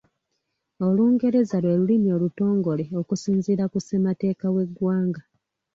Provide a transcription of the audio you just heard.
Olungereza lwe lulimi olutongole okusinziira ku ssemateeka w'eggwanga.